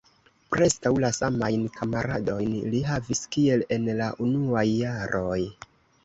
Preskaŭ la samajn kamaradojn li havis kiel en la unuaj jaroj.